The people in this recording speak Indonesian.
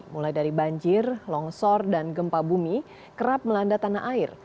mulai dari banjir longsor dan gempa bumi kerap melanda tanah air